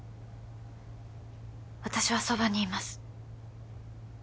私はそばにいます